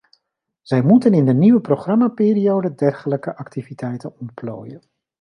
Zij moeten in de nieuwe programmaperiode dergelijke activiteiten ontplooien.